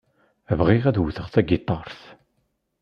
Bɣiɣ ad wteɣ tagiṭart.